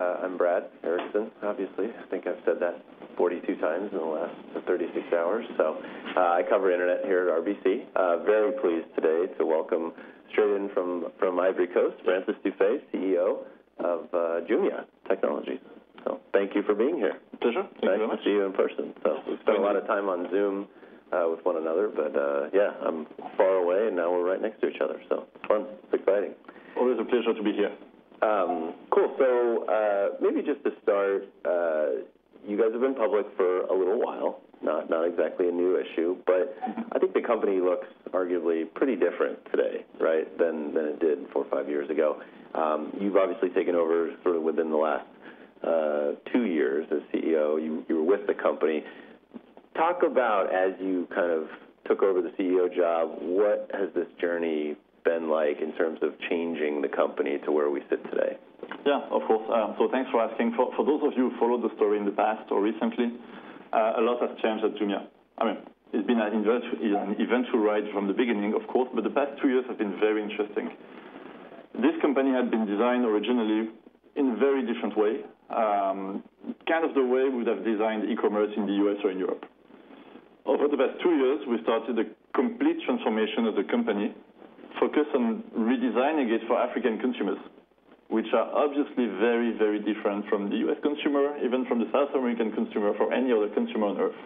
I'm Brad Erickson, obviously. I think I've said that 42 times in the last 36 hours. So I cover internet here at RBC. Very pleased today to welcome straight in from Ivory Coast, Francis Dufay, CEO of Jumia Technologies. So thank you for being here. Pleasure. Thank you for seeing you in person, so we spent a lot of time on Zoom with one another, but yeah, I'm far away and now we're right next to each other, so it's fun. It's exciting. Always a pleasure to be here. Cool. So maybe just to start, you guys have been public for a little while, not exactly a new issue, but I think the company looks arguably pretty different today, right, than it did four or five years ago. You've obviously taken over sort of within the last two years as CEO. You were with the company. Talk about, as you kind of took over the CEO job, what has this journey been like in terms of changing the company to where we sit today? Yeah, of course. So thanks for asking. For those of you who followed the story in the past or recently, a lot has changed at Jumia. I mean, it's been an eventful ride from the beginning, of course, but the past two years have been very interesting. This company had been designed originally in a very different way, kind of the way we would have designed e-commerce in the U.S. or in Europe. Over the past two years, we started a complete transformation of the company, focused on redesigning it for African consumers, which are obviously very, very different from the U.S. consumer, even from the South American consumer, from any other consumer on earth.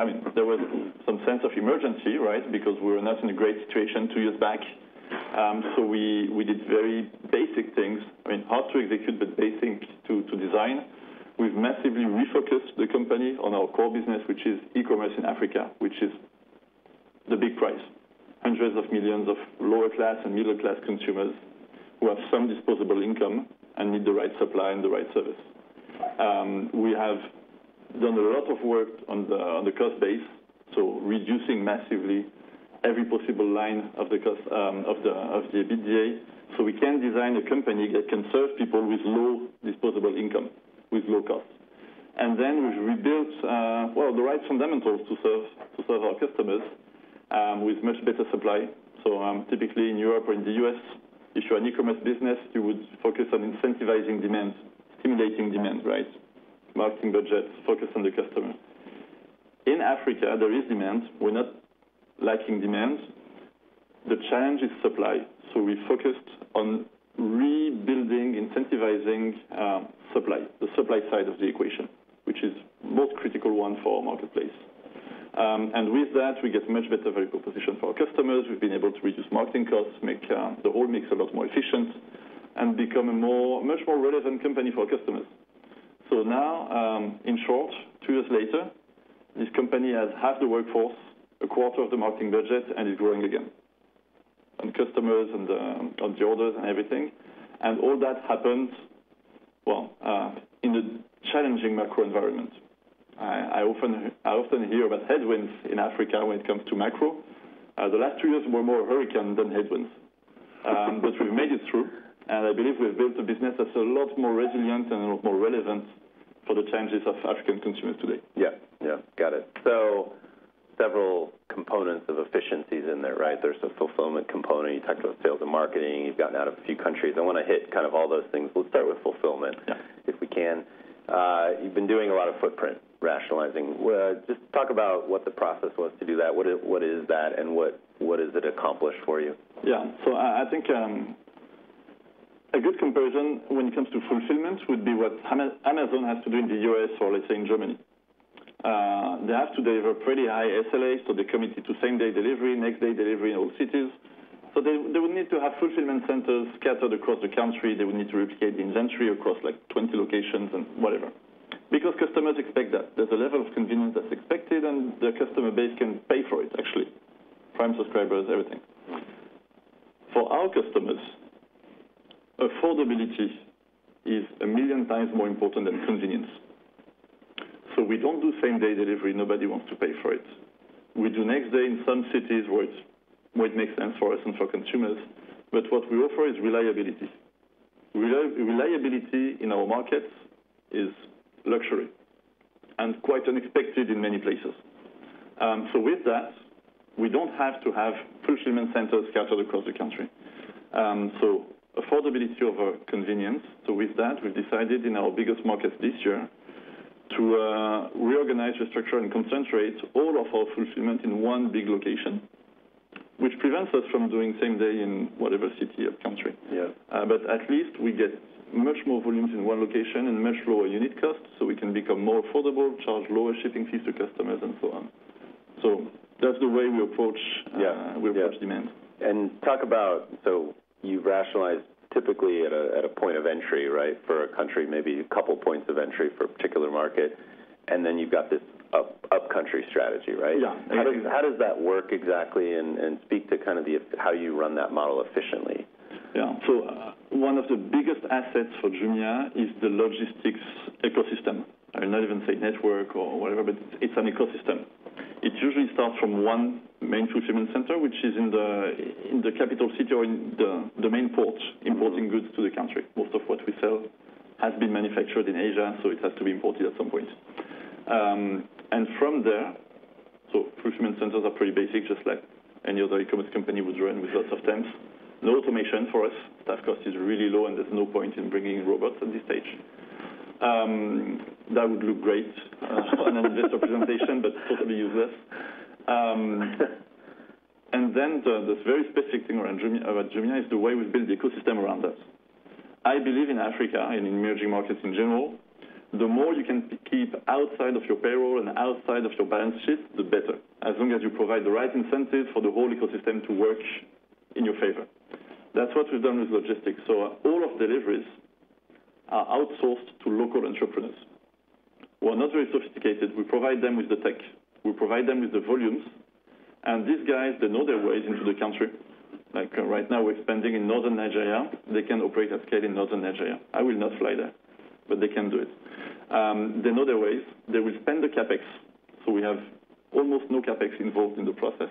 I mean, there was some sense of emergency, right, because we were not in a great situation two years back. So we did very basic things, I mean, hard to execute, but basic to design. We've massively refocused the company on our core business, which is e-commerce in Africa, which is the big prize: hundreds of millions of lower-class and middle-class consumers who have some disposable income and need the right supply and the right service. We have done a lot of work on the cost base, so reducing massively every possible line of the EBITDA so we can design a company that can serve people with low disposable income, with low cost. And then we've rebuilt, well, the right fundamentals to serve our customers with much better supply. So typically in Europe or in the U.S., if you're an e-commerce business, you would focus on incentivizing demand, stimulating demand, right? Marketing budgets, focus on the customer. In Africa, there is demand. We're not lacking demand. The challenge is supply. So we focused on rebuilding, incentivizing supply, the supply side of the equation, which is the most critical one for our marketplace. And with that, we get much better value proposition for our customers. We've been able to reduce marketing costs, make the whole mix a lot more efficient, and become a much more relevant company for our customers. So now, in short, two years later, this company has half the workforce, a quarter of the marketing budget, and is growing again. And customers and the orders and everything. And all that happened, well, in a challenging macro environment. I often hear about headwinds in Africa when it comes to macro. The last two years were more hurricane than headwinds. But we've made it through, and I believe we've built a business that's a lot more resilient and a lot more relevant for the challenges of African consumers today. Yeah. Yeah. Got it. So several components of efficiencies in there, right? There's a fulfillment component. You talked about sales and marketing. You've gotten out of a few countries. I want to hit kind of all those things. We'll start with fulfillment if we can. You've been doing a lot of footprint rationalizing. Just talk about what the process was to do that. What is that, and what has it accomplished for you? Yeah. So I think a good comparison when it comes to fulfillment would be what Amazon has to do in the U.S. or, let's say, in Germany. They have to deliver pretty high SLAs to commit to same-day delivery, next-day delivery in all cities. So they would need to have fulfillment centers scattered across the country. They would need to replicate the inventory across like 20 locations and whatever. Because customers expect that. There's a level of convenience that's expected, and the customer base can pay for it, actually. Prime subscribers, everything. For our customers, affordability is a million times more important than convenience. So we don't do same-day delivery. Nobody wants to pay for it. We do next-day in some cities where it makes sense for us and for consumers. But what we offer is reliability. Reliability in our markets is luxury and quite unexpected in many places. So with that, we don't have to have fulfillment centers scattered across the country. So affordability over convenience. So with that, we've decided in our biggest markets this year to reorganize, restructure, and concentrate all of our fulfillment in one big location, which prevents us from doing same-day in whatever city or country. But at least we get much more volumes in one location and much lower unit costs so we can become more affordable, charge lower shipping fees to customers, and so on. So that's the way we approach demand. You've rationalized typically at a point of entry, right, for a country, maybe a couple points of entry for a particular market, and then you've got this up-country strategy, right? Yeah. How does that work exactly, and speak to kind of how you run that model efficiently? Yeah. So one of the biggest assets for Jumia is the logistics ecosystem. I will not even say network or whatever, but it's an ecosystem. It usually starts from one main fulfillment center, which is in the capital city or in the main port, importing goods to the country. Most of what we sell has been manufactured in Asia, so it has to be imported at some point. And from there, so fulfillment centers are pretty basic, just like any other e-commerce company would run with lots of tents. No automation for us. Staff cost is really low, and there's no point in bringing in robots at this stage. That would look great on an investor presentation, but totally useless. And then the very specific thing around Jumia is the way we've built the ecosystem around us. I believe in Africa and in emerging markets in general, the more you can keep outside of your payroll and outside of your balance sheet, the better, as long as you provide the right incentive for the whole ecosystem to work in your favor. That's what we've done with logistics. So all of deliveries are outsourced to local entrepreneurs. We're not very sophisticated. We provide them with the tech. We provide them with the volumes. And these guys, they know their ways into the country. Right now, we're expanding in northern Nigeria. They can operate at scale in northern Nigeria. I will not fly there, but they can do it. They know their ways. They will spend the CapEx. So we have almost no CapEx involved in the process.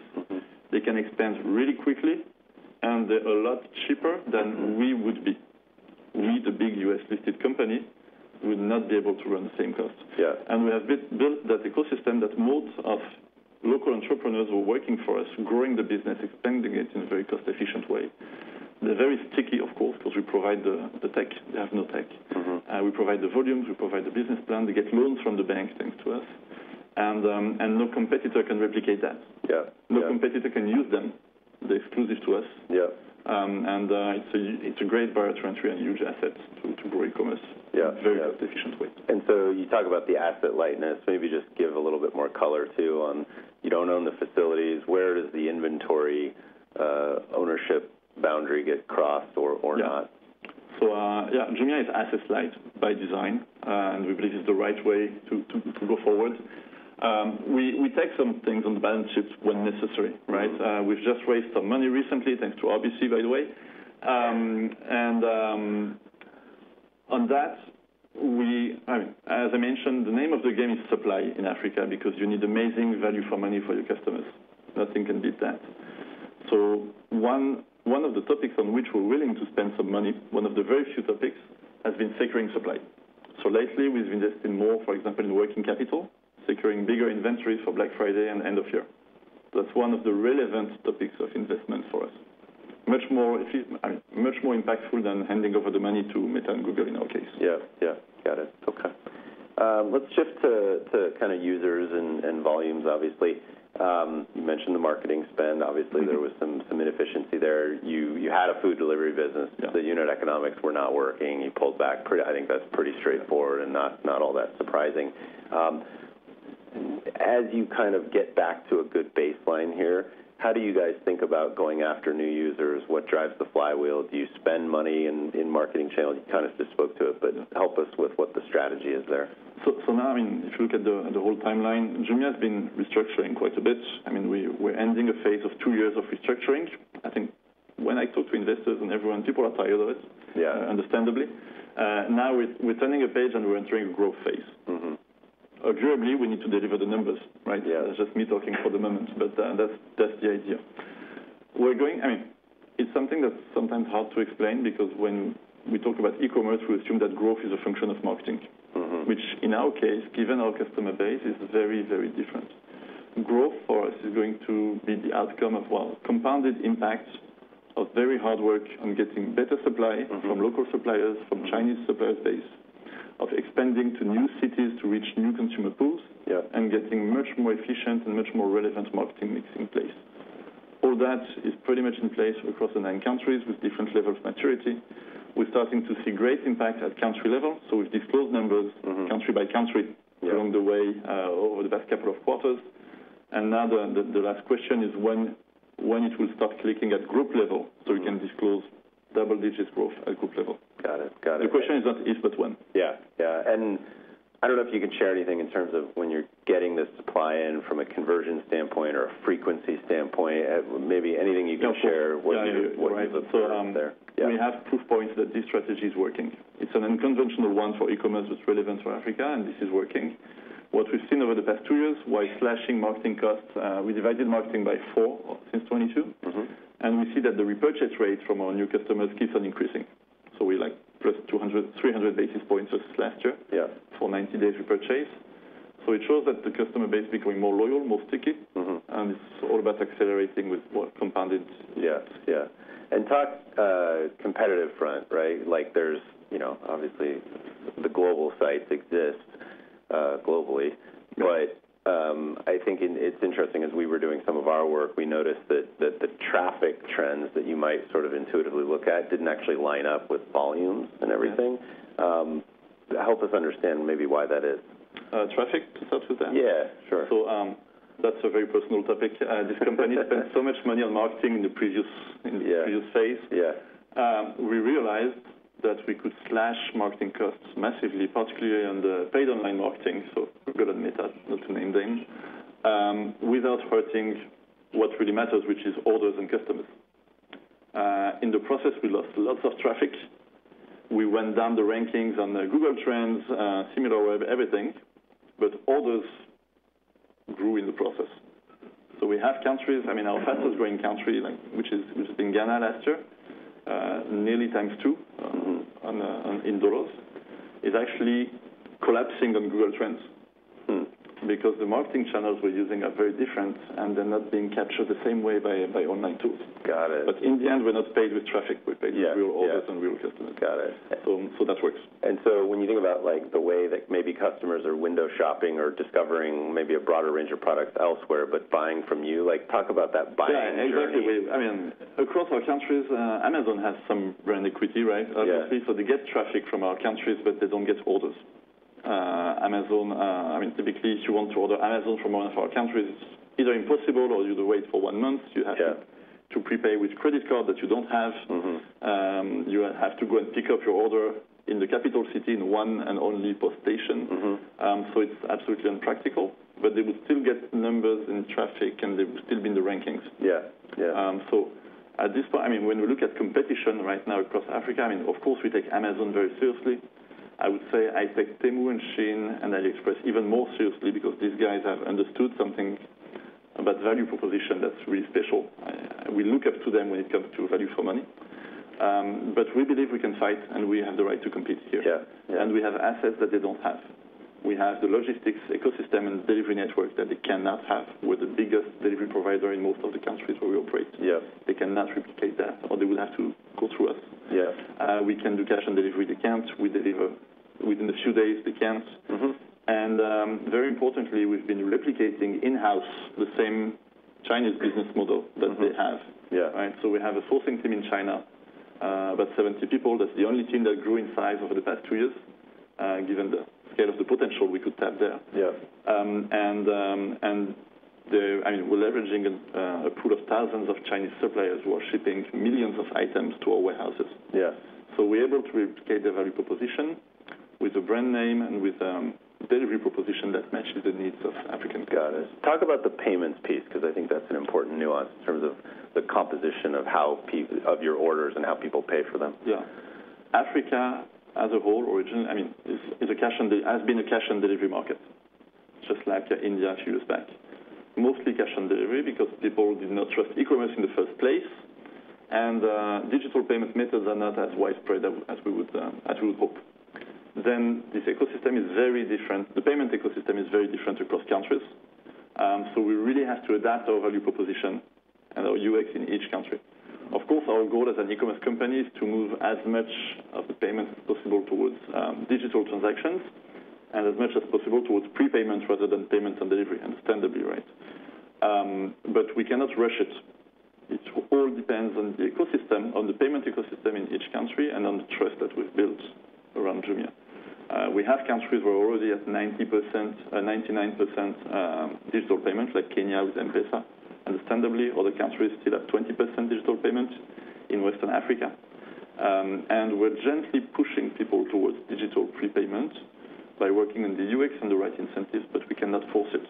They can expand really quickly, and they're a lot cheaper than we would be. We, the big U.S.-listed company, would not be able to run the same cost, and we have built that ecosystem that most of local entrepreneurs who are working for us, growing the business, expanding it in a very cost-efficient way. They're very sticky, of course, because we provide the tech. They have no tech. We provide the volumes. We provide the business plan. They get loans from the bank thanks to us, and no competitor can replicate that. No competitor can use them. They're exclusive to us, and it's a great barrier to entry and huge asset to grow e-commerce in a very cost-efficient way. And so you talk about the asset lightness. Maybe just give a little bit more color too on you don't own the facilities. Where does the inventory ownership boundary get crossed or not? So yeah, Jumia is asset light by design, and we believe it's the right way to go forward. We take some things on the balance sheet when necessary, right? We've just raised some money recently, thanks to RBC, by the way. And on that, as I mentioned, the name of the game is supply in Africa because you need amazing value for money for your customers. Nothing can beat that. So one of the topics on which we're willing to spend some money, one of the very few topics, has been securing supply. So lately, we've invested more, for example, in working capital, securing bigger inventories for Black Friday and end of year. That's one of the relevant topics of investment for us. Much more impactful than handing over the money to Meta and Google in our case. Yeah. Yeah. Got it. Okay. Let's shift to kind of users and volumes, obviously. You mentioned the marketing spend. Obviously, there was some inefficiency there. You had a food delivery business. The unit economics were not working. You pulled back. I think that's pretty straightforward and not all that surprising. As you kind of get back to a good baseline here, how do you guys think about going after new users? What drives the flywheel? Do you spend money in marketing channels? You kind of just spoke to it, but help us with what the strategy is there. So now, I mean, if you look at the whole timeline, Jumia has been restructuring quite a bit. I mean, we're ending a phase of two years of restructuring. I think when I talk to investors and everyone, people are tired of it, understandably. Now we're turning a page and we're entering a growth phase. Arguably, we need to deliver the numbers, right? It's just me talking for the moment, but that's the idea. I mean, it's something that's sometimes hard to explain because when we talk about e-commerce, we assume that growth is a function of marketing, which in our case, given our customer base, is very, very different. Growth for us is going to be the outcome of, well, compounded impacts of very hard work on getting better supply from local suppliers, from Chinese suppliers, of expanding to new cities to reach new consumer pools and getting much more efficient and much more relevant marketing mix in place. All that is pretty much in place across the nine countries with different levels of maturity. We're starting to see great impact at country level. So we've disclosed numbers country by country along the way over the past couple of quarters. And now the last question is when it will start clicking at group level so we can disclose double-digit growth at group level. Got it. Got it. The question is not if, but when. Yeah. And I don't know if you can share anything in terms of when you're getting this supply in from a conversion standpoint or a frequency standpoint? Maybe anything you can share what drives that growth there? We have proof points that this strategy is working. It's an unconventional one for e-commerce that's relevant for Africa, and this is working. What we've seen over the past two years while slashing marketing costs, we divided marketing by four since 2022, and we see that the repurchase rate from our new customers keeps on increasing. So we're like 200, 300 basis points versus last year for 90-day repurchase. So it shows that the customer base is becoming more loyal, more sticky, and it's all about accelerating with compounded. Yeah. And on the competitive front, right? There's obviously the global sites that exist globally. But I think it's interesting as we were doing some of our work, we noticed that the traffic trends that you might sort of intuitively look at didn't actually line up with volumes and everything. Help us understand maybe why that is? Traffic? Start with that. Yeah. Sure. So that's a very personal topic. This company spent so much money on marketing in the previous phase. We realized that we could slash marketing costs massively, particularly on the paid online marketing. So I'm going to admit that, not to name names, without hurting what really matters, which is orders and customers. In the process, we lost lots of traffic. We went down the rankings on Google Trends, Similarweb, everything, but orders grew in the process. So we have countries. I mean, our fastest-growing country, which was in Ghana last year, nearly times two in dollars, is actually collapsing on Google Trends because the marketing channels we're using are very different, and they're not being captured the same way by online tools. But in the end, we're not paid with traffic. We're paid with real orders and real customers. So that works. And so when you think about the way that maybe customers are window shopping or discovering maybe a broader range of products elsewhere, but buying from you, talk about that buying engine. Yeah. Exactly. I mean, across our countries, Amazon has some brand equity, right? Obviously. So they get traffic from our countries, but they don't get orders. I mean, typically, if you want to order Amazon from one of our countries, it's either impossible or you have to wait for one month. You have to prepay with credit card that you don't have. You have to go and pick up your order in the capital city in one and only bus station. So it's absolutely impractical, but they would still get numbers in traffic, and they would still be in the rankings. So at this point, I mean, when we look at competition right now across Africa, I mean, of course, we take Amazon very seriously. I would say I take Temu and Shein and AliExpress even more seriously because these guys have understood something about value proposition that's really special. We look up to them when it comes to value for money. But we believe we can fight, and we have the right to compete here. And we have assets that they don't have. We have the logistics ecosystem and delivery network that they cannot have with the biggest delivery provider in most of the countries where we operate. They cannot replicate that, or they would have to go through us. We can do cash-on-delivery to camps. We deliver within a few days to camps. And very importantly, we've been replicating in-house the same Chinese business model that they have, right? So we have a sourcing team in China, about 70 people. That's the only team that grew in size over the past two years, given the scale of the potential we could tap there. And I mean, we're leveraging a pool of thousands of Chinese suppliers who are shipping millions of items to our warehouses. So we're able to replicate the value proposition with a brand name and with a delivery proposition that matches the needs of Africans. Got it. Talk about the payments piece because I think that's an important nuance in terms of the composition of your orders and how people pay for them. Yeah. Africa as a whole, originally, I mean, has been a cash-on-delivery market, just like India a few years back. Mostly cash-on-delivery because people did not trust e-commerce in the first place, and digital payment methods are not as widespread as we would hope. Then this ecosystem is very different. The payment ecosystem is very different across countries. So we really have to adapt our value proposition and our UX in each country. Of course, our goal as an e-commerce company is to move as much of the payment as possible towards digital transactions and as much as possible towards prepayments rather than payments and delivery, understandably, right? But we cannot rush it. It all depends on the ecosystem, on the payment ecosystem in each country, and on the trust that we've built around Jumia. We have countries where we're already at 99% digital payments, like Kenya with M-PESA, understandably. Other countries still have 20% digital payments in Western Africa. We're gently pushing people towards digital prepayments by working on the UX and the right incentives, but we cannot force it.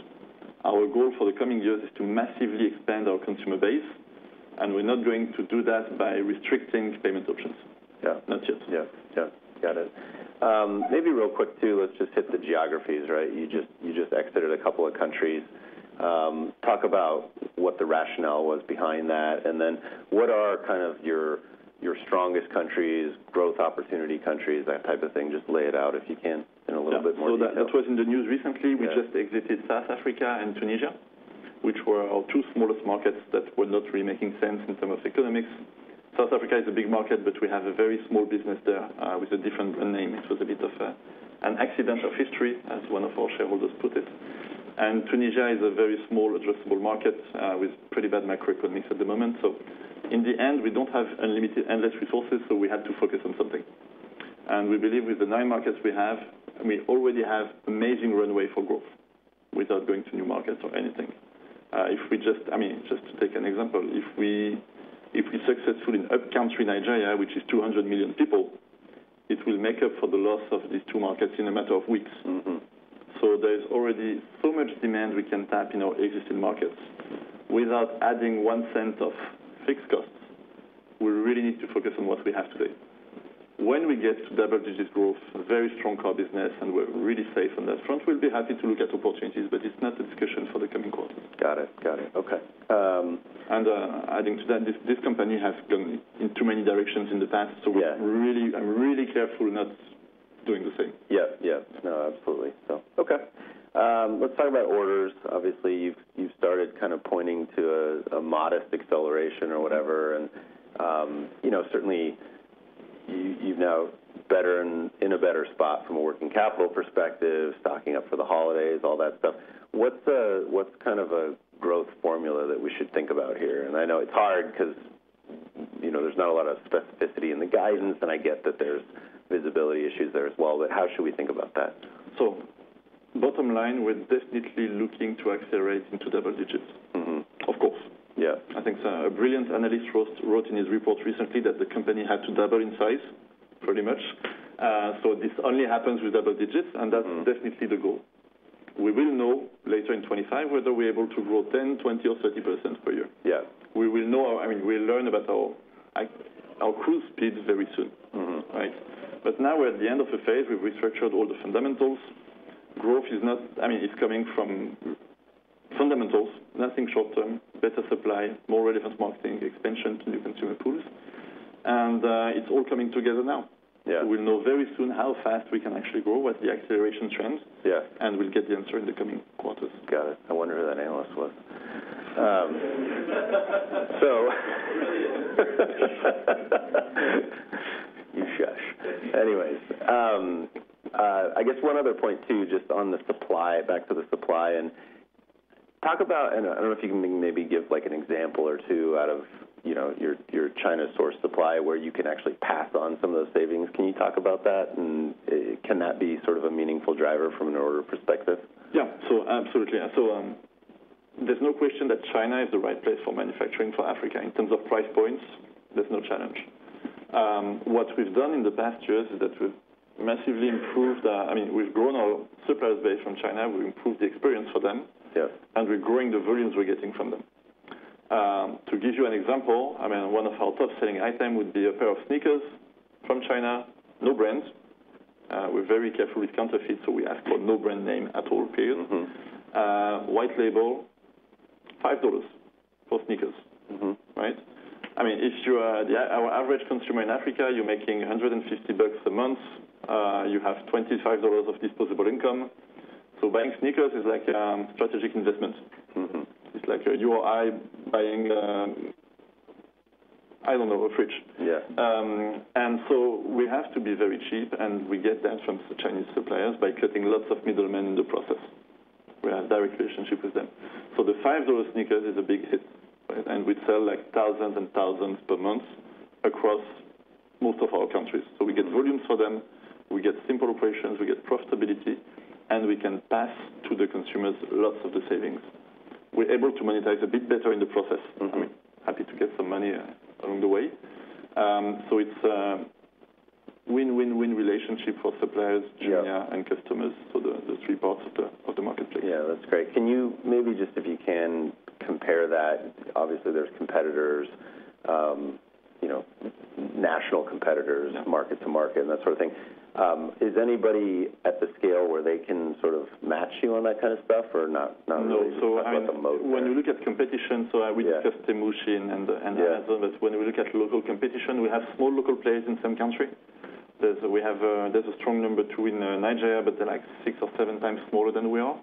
Our goal for the coming years is to massively expand our consumer base, and we're not going to do that by restricting payment options. Not yet. Yeah. Yeah. Got it. Maybe real quick too, let's just hit the geographies, right? You just exited a couple of countries. Talk about what the rationale was behind that, and then what are kind of your strongest countries, growth opportunity countries, that type of thing. Just lay it out if you can in a little bit more detail. So that was in the news recently. We just exited South Africa and Tunisia, which were our two smallest markets that were not really making sense in terms of economics. South Africa is a big market, but we have a very small business there with a different brand name. It was a bit of an accident of history, as one of our shareholders put it. And Tunisia is a very small, addressable market with pretty bad macroeconomics at the moment. So in the end, we don't have unlimited, endless resources, so we had to focus on something. And we believe with the nine markets we have, we already have amazing runway for growth without going to new markets or anything. I mean, just to take an example, if we're successful in up-country Nigeria, which is 200 million people, it will make up for the loss of these two markets in a matter of weeks, so there's already so much demand we can tap in our existing markets without adding one cent of fixed costs. We really need to focus on what we have today. When we get to double-digit growth, very strong core business, and we're really safe on that front, we'll be happy to look at opportunities, but it's not the discussion for the coming quarter. Got it. Got it. Okay. And adding to that, this company has gone in too many directions in the past, so I'm really careful not doing the same. Yeah. Yeah. No, absolutely. So, okay. Let's talk about orders. Obviously, you've started kind of pointing to a modest acceleration or whatever. And certainly, you've now been in a better spot from a working capital perspective, stocking up for the holidays, all that stuff. What's kind of a growth formula that we should think about here? And I know it's hard because there's not a lot of specificity in the guidance, and I get that there's visibility issues there as well, but how should we think about that? So bottom line, we're definitely looking to accelerate into double digits. Of course. I think so. A brilliant analyst wrote in his report recently that the company had to double in size, pretty much. So this only happens with double digits, and that's definitely the goal. We will know later in 2025 whether we're able to grow 10%, 20%, or 30% per year. We will know our—I mean, we'll learn about our cruise speeds very soon, right? But now we're at the end of the phase. We've restructured all the fundamentals. Growth is not—I mean, it's coming from fundamentals, nothing short-term, better supply, more relevant marketing, expansion to new consumer pools. And it's all coming together now. We'll know very soon how fast we can actually grow, what the acceleration trends, and we'll get the answer in the coming quarters. Got it. I wonder who that analyst was. So anyways, I guess one other point too, just on the supply, back to the supply. And talk about - and I don't know if you can maybe give an example or two out of your China-sourced supply where you can actually pass on some of those savings. Can you talk about that? And can that be sort of a meaningful driver from an order perspective? Yeah. So absolutely. So there's no question that China is the right place for manufacturing for Africa. In terms of price points, there's no challenge. What we've done in the past years is that we've massively improved, I mean, we've grown our suppliers base from China. We've improved the experience for them, and we're growing the volumes we're getting from them. To give you an example, I mean, one of our top-selling items would be a pair of sneakers from China, no brand. We're very careful with counterfeit, so we ask for no brand name at all, period. White label, $5 for sneakers, right? I mean, if you're our average consumer in Africa, you're making $150 a month. You have $25 of disposable income. So buying sneakers is like a strategic investment. It's like you or I buying, I don't know, a fridge. And so we have to be very cheap, and we get them from the Chinese suppliers by cutting lots of middlemen in the process. We have direct relationship with them. So the $5 sneakers is a big hit, right? And we'd sell like thousands and thousands per month across most of our countries. So we get volumes for them. We get simple operations. We get profitability, and we can pass to the consumers lots of the savings. We're able to monetize a bit better in the process. I mean, happy to get some money along the way. So it's a win-win-win relationship for suppliers, Jumia, and customers. So the three parts of the marketplace. Yeah. That's great. Can you maybe, just if you can, compare that? Obviously, there's competitors, national competitors, market-to-market, and that sort of thing. Is anybody at the scale where they can sort of match you on that kind of stuff or not really? No. So when you look at competition, so I would discuss Temu, Shein, and Amazon, but when we look at local competition, we have small local players in some countries. We have a strong number two in Nigeria, but they're like six or seven times smaller than we are.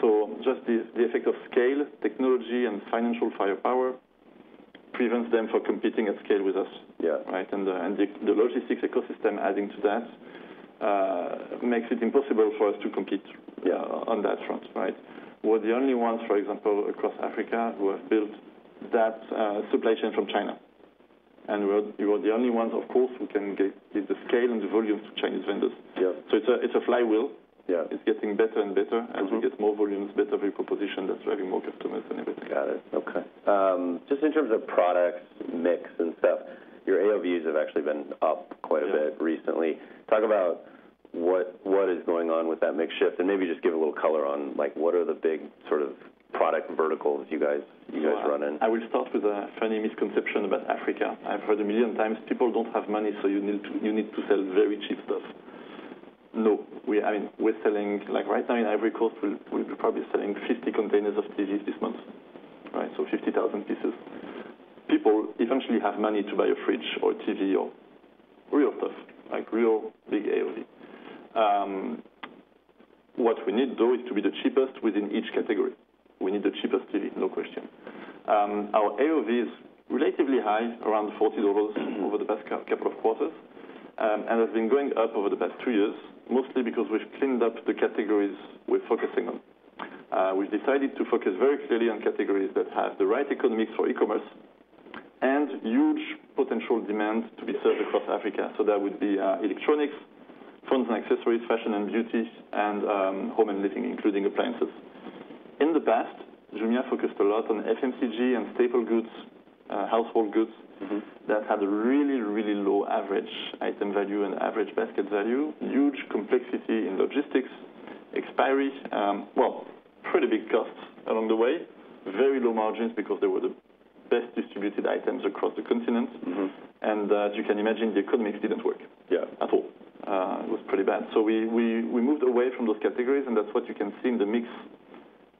So just the effect of scale, technology, and financial firepower prevents them from competing at scale with us, right? And the logistics ecosystem adding to that makes it impossible for us to compete on that front, right? We're the only ones, for example, across Africa who have built that supply chain from China. And we're the only ones, of course, who can get the scale and the volumes to Chinese vendors. So it's a flywheel. It's getting better and better as we get more volumes, better reposition. That's driving more customers and everything. Got it. Okay. Just in terms of product mix and stuff, your AOVs have actually been up quite a bit recently. Talk about what is going on with that mix shift and maybe just give a little color on what are the big sort of product verticals you guys run in? I will start with a funny misconception about Africa. I've heard a million times, "People don't have money, so you need to sell very cheap stuff." No. I mean, we're selling right now in every country, we're probably selling 50 containers of TVs this month, right? So 50,000 pieces. People eventually have money to buy a fridge or a TV or real stuff, like real big AOV. What we need, though, is to be the cheapest within each category. We need the cheapest TV, no question. Our AOV is relatively high, around $40 over the past couple of quarters, and has been going up over the past two years, mostly because we've cleaned up the categories we're focusing on. We've decided to focus very clearly on categories that have the right economics for e-commerce and huge potential demand to be served across Africa. So that would be electronics, phones and accessories, fashion and beauty, and home and living, including appliances. In the past, Jumia focused a lot on FMCG and staple goods, household goods that had a really, really low average item value and average basket value, huge complexity in logistics, expiry, well, pretty big costs along the way, very low margins because they were the best distributed items across the continent. And as you can imagine, the economics didn't work at all. It was pretty bad. So we moved away from those categories, and that's what you can see in the mix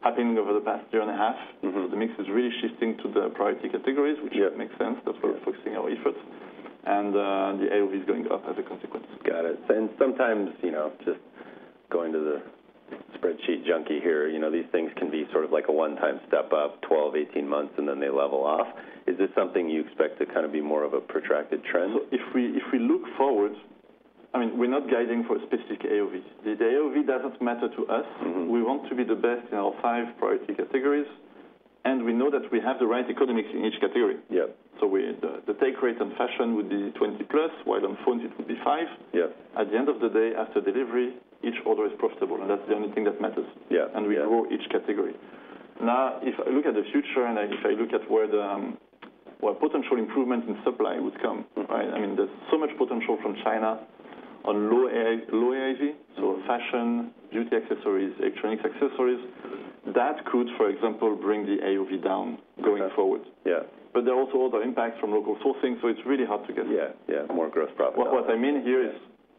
happening over the past year and a half. The mix is really shifting to the priority categories, which makes sense that we're focusing our efforts, and the AOV is going up as a consequence. Got it. And sometimes, just going to the spreadsheet junkie here, these things can be sort of like a one-time step up, 12-18 months, and then they level off. Is this something you expect to kind of be more of a protracted trend? So if we look forward, I mean, we're not guiding for a specific AOV. The AOV doesn't matter to us. We want to be the best in our five priority categories, and we know that we have the right economics in each category. So the take rate on fashion would be 20% plus, while on phones, it would be 5%. At the end of the day, after delivery, each order is profitable, and that's the only thing that matters. And we grow each category. Now, if I look at the future and if I look at where potential improvements in supply would come, right? I mean, there's so much potential from China on low AIV, so fashion, beauty accessories, electronics accessories. That could, for example, bring the AOV down going forward. But there are also other impacts from local sourcing, so it's really hard to guess. Yeah. Yeah. More gross profit margin. What I mean here is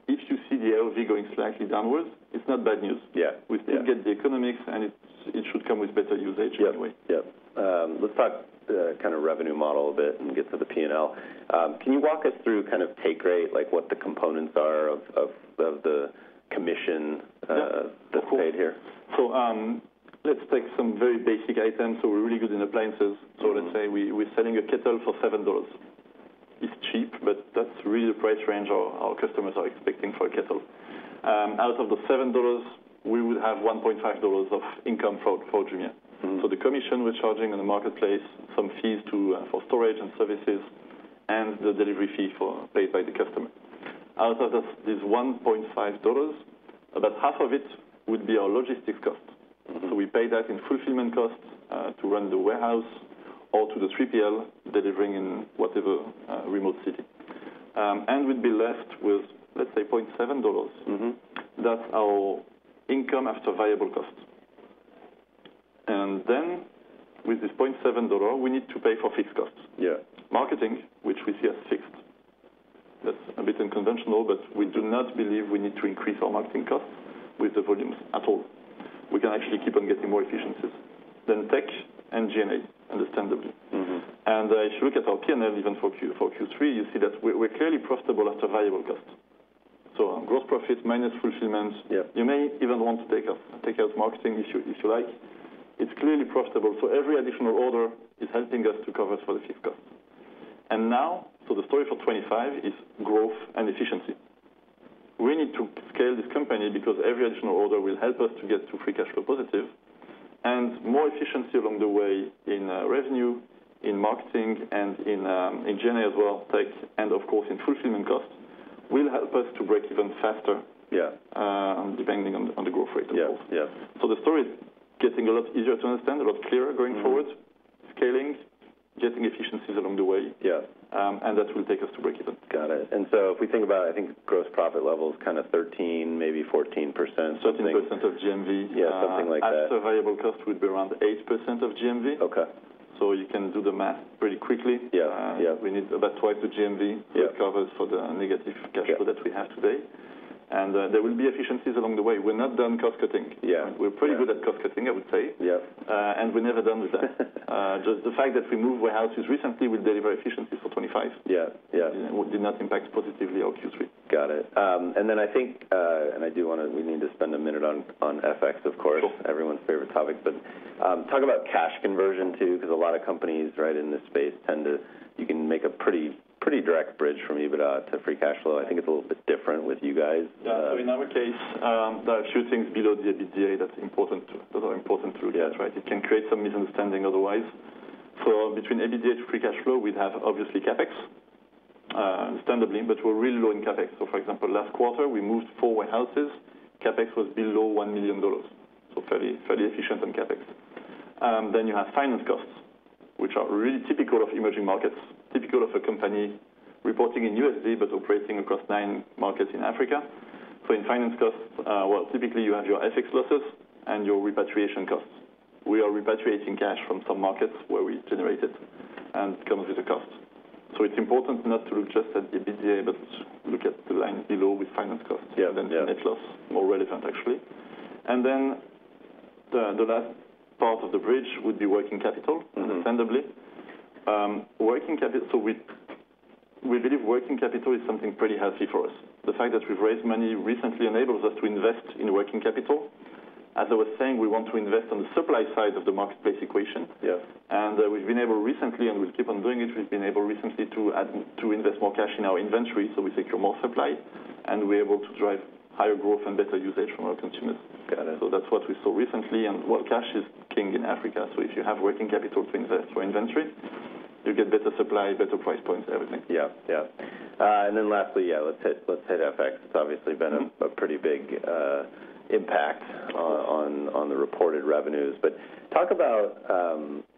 if you see the AOV going slightly downwards, it's not bad news. We still get the economics, and it should come with better usage anyway. Yeah. Yeah. Let's talk kind of revenue model a bit and get to the P&L. Can you walk us through kind of take rate, like what the components are of the commission that's paid here? So let's take some very basic items. So we're really good in appliances. So let's say we're selling a kettle for $7. It's cheap, but that's really the price range our customers are expecting for a kettle. Out of the $7, we would have $1.5 of income for Jumia. So the commission we're charging in the marketplace, some fees for storage and services, and the delivery fee paid by the customer. Out of this $1.5, about half of it would be our logistics cost. So we pay that in fulfillment costs to run the warehouse or to the 3PL delivering in whatever remote city. And we'd be left with, let's say, $0.7. That's our income after variable costs. And then with this $0.7, we need to pay for fixed costs. Marketing, which we see as fixed, that's a bit unconventional. We do not believe we need to increase our marketing costs with the volumes at all. We can actually keep on getting more efficiencies. Then tech and G&A, understandably. If you look at our P&L even for Q4, Q3, you see that we're clearly profitable after variable costs. Gross profit minus fulfillment. You may even want to take out marketing if you like. It's clearly profitable. Every additional order is helping us to cover for the fixed costs. Now, the story for 2025 is growth and efficiency. We need to scale this company because every additional order will help us to get to free cash flow positive. More efficiency along the way in revenue, in marketing, and in G&A as well, tech, and of course, in fulfillment costs will help us to break even faster, depending on the growth rate of growth. The story is getting a lot easier to understand, a lot clearer going forward, scaling, getting efficiencies along the way, and that will take us to break even. Got it, and so if we think about, I think, gross profit level is kind of 13%, maybe 14%. 13% of GMV. Yeah, something like that. After variable costs would be around 8% of GMV, so you can do the math pretty quickly. We need about twice the GMV to cover for the negative cash flow that we have today, and there will be efficiencies along the way. We're not done cost-cutting. We're pretty good at cost-cutting, I would say, and we're never done with that. Just the fact that we moved warehouses recently will deliver efficiencies for 2025. It did not impact positively our Q3. Got it, and then I think, and I do want to, we need to spend a minute on FX, of course, everyone's favorite topic, but talk about cash conversion too, because a lot of companies, right, in this space tend to, you can make a pretty direct bridge from EBITDA to free cash flow. I think it's a little bit different with you guys. Yeah. So in our case, there are a few things below the EBITDA that are important to look at, right? It can create some misunderstanding otherwise. So between EBITDA to free cash flow, we'd have obviously CapEx, understandably, but we're really low in CapEx. So for example, last quarter, we moved four warehouses. CapEx was below $1 million. So fairly efficient on CapEx. Then you have finance costs, which are really typical of emerging markets, typical of a company reporting in USD but operating across nine markets in Africa. So in finance costs, well, typically you have your FX losses and your repatriation costs. We are repatriating cash from some markets where we generate it, and it comes with a cost. So it's important not to look just at the EBITDA, but look at the line below with finance costs. Yeah, then net loss, more relevant, actually. The last part of the bridge would be working capital, understandably. We believe working capital is something pretty healthy for us. The fact that we've raised money recently enables us to invest in working capital. As I was saying, we want to invest on the supply side of the marketplace equation. We've been able recently, and we'll keep on doing it. We've been able recently to invest more cash in our inventory so we secure more supply, and we're able to drive higher growth and better usage from our consumers. That's what we saw recently. Cash is king in Africa. If you have working capital to invest for inventory, you get better supply, better price points, everything. Yeah. Yeah. And then lastly, yeah, let's hit FX. It's obviously been a pretty big impact on the reported revenues. But talk about,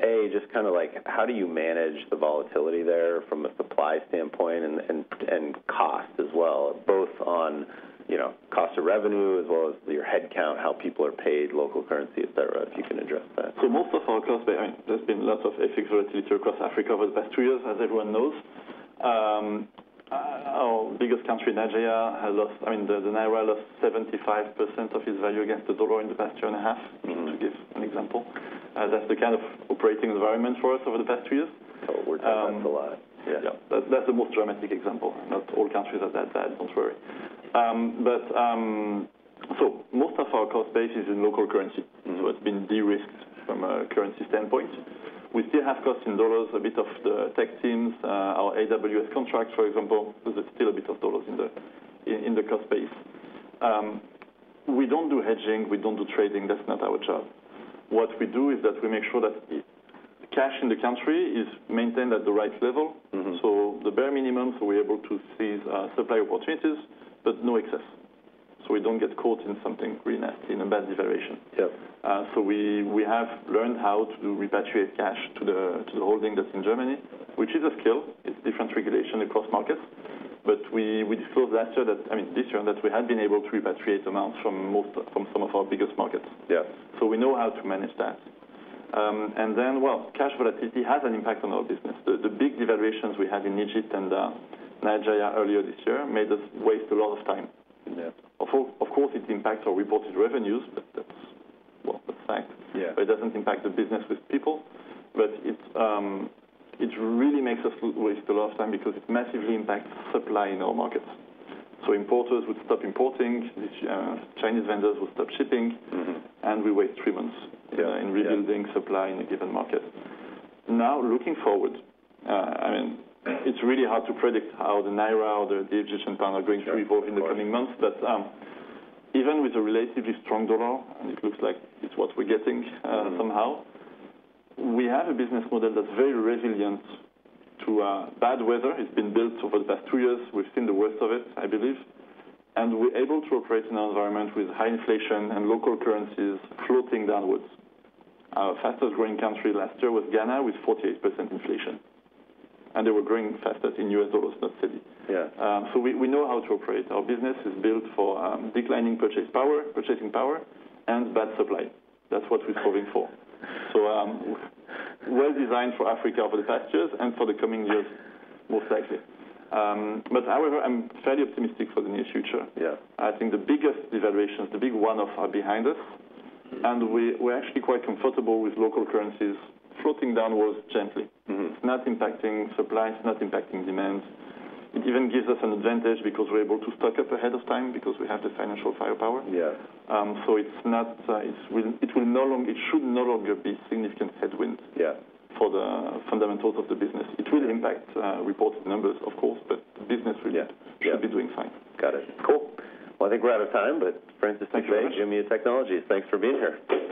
A, just kind of how do you manage the volatility there from a supply standpoint and cost as well, both on cost of revenue as well as your headcount, how people are paid, local currency, etc., if you can address that? So most of our customers, I mean, there's been lots of FX volatility across Africa over the past three years, as everyone knows. Our biggest country, Nigeria, has lost, I mean, the naira lost 75% of its value against the dollar in the past year and a half, to give an example. That's the kind of operating environment for us over the past three years. Oh, we're talking about a lot. Yeah. Yeah. That's the most dramatic example. Not all countries are that bad, don't worry. But so most of our cost base is in local currency. So it's been de-risked from a currency standpoint. We still have costs in dollars, a bit of the tech teams, our AWS contracts, for example, because there's still a bit of dollars in the cost base. We don't do hedging. We don't do trading. That's not our job. What we do is that we make sure that the cash in the country is maintained at the right level, so the bare minimum, so we're able to seize supply opportunities, but no excess. So we don't get caught in something really nasty, in a bad devaluation. So we have learned how to repatriate cash to the holding that's in Germany, which is a skill. It's different regulation across markets. But we disclosed last year that, I mean, this year, that we had been able to repatriate amounts from some of our biggest markets. So we know how to manage that. And then, well, cash volatility has an impact on our business. The big devaluations we had in Egypt and Nigeria earlier this year made us waste a lot of time. Of course, it impacts our reported revenues, but that's, well, that's a fact. It doesn't impact the business with people, but it really makes us waste a lot of time because it massively impacts supply in our markets. So importers would stop importing, Chinese vendors would stop shipping, and we wait three months in rebuilding supply in a given market. Now, looking forward, I mean, it's really hard to predict how the Nigerian naira or the Egyptian pound are going to evolve in the coming months. But even with a relatively strong dollar, and it looks like it's what we're getting somehow, we have a business model that's very resilient to bad weather. It's been built over the past two years. We've seen the worst of it, I believe. And we're able to operate in an environment with high inflation and local currencies floating downwards. Our fastest-growing country last year was Ghana with 48% inflation. And they were growing fastest in U.S. dollars, not cedis. So we know how to operate. Our business is built for declining purchasing power and bad supply. That's what we're solving for. So, well designed for Africa over the past years and for the coming years, most likely. But however, I'm fairly optimistic for the near future. I think the biggest devaluations, the big one-offs, are behind us. And we're actually quite comfortable with local currencies floating downwards gently. It's not impacting supply. It's not impacting demand. It even gives us an advantage because we're able to stock up ahead of time because we have the financial firepower. So it should no longer be significant headwinds for the fundamentals of the business. It will impact reported numbers, of course, but business should be doing fine. Got it. Cool. Well, I think we're out of time, but Francis Dufay, Jumia Technologies, thanks for being here.